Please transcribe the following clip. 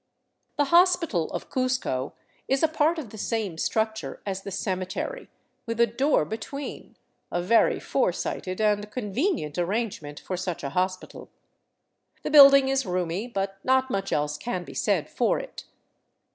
The hospital of Cuzco is a part of the same structure as the ceme tery, with a door between — a very foresighted and convenient ar rangement for such a hospital. The building is roomy, but not much else can be said for it.